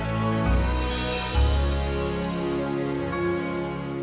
jangan lupa di tengah suatu video